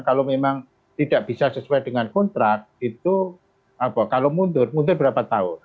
kalau memang tidak bisa sesuai dengan kontrak itu kalau mundur mundur berapa tahun